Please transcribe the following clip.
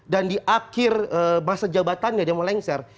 dan di akhir masa jabatannya dia melengser